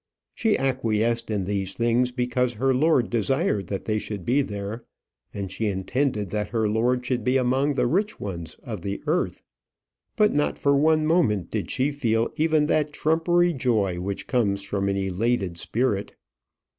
She acquiesced in these things because her lord desired that they should be there, and she intended that her lord should be among the rich ones of the earth. But not for one moment did she feel even that trumpery joy which comes from an elated spirit.